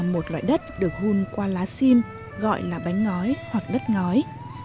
một loại đất được hôn qua lá xim gọi là bánh ngói hoặc đất ngói